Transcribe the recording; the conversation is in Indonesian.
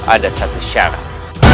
ada satu syarat